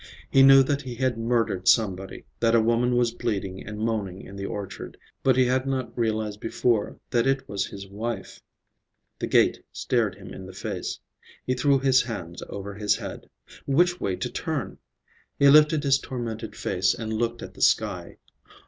He knew that he had murdered somebody, that a woman was bleeding and moaning in the orchard, but he had not realized before that it was his wife. The gate stared him in the face. He threw his hands over his head. Which way to turn? He lifted his tormented face and looked at the sky.